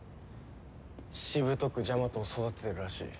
しぶとくジャマトを育ててるらしい。